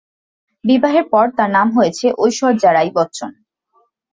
বিবাহের পর তার নাম হয়েছে ঐশ্বর্যা রাই বচ্চন।